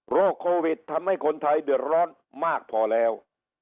โควิดทำให้คนไทยเดือดร้อนมากพอแล้ว